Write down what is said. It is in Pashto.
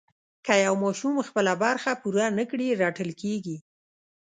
که یو ماشوم خپله برخه پوره نه کړي رټل کېږي.